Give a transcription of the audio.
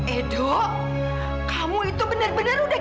edo kamu itu benar benar udah gila ya